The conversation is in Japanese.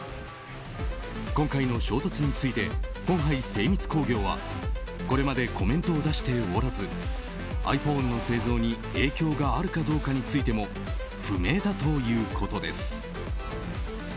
今回の衝突について鴻海精密工業はこれまでコメントを出しておらずｉＰｈｏｎｅの製造に影響があるかどうかについても不明だということです。